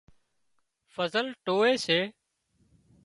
فصل ٽووي سي